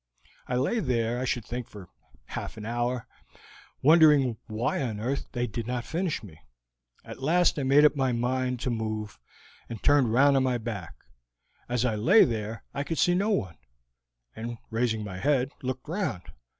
I lay there I should think for half an hour, wondering why on earth they did not finish me. At last I made up my mind to move, and turned round onto my back. As I lay there I could see no one, and, raising my head, looked round.